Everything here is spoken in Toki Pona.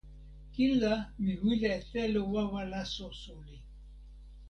kin la mi wile e telo wawa laso suli.